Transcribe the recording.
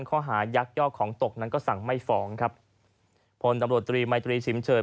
เขาหายักษ์ย่อของตกนั้นก็สั่งไม่ฝ้องครับผลตำรวจตรีมายตรีฉีมเฉิด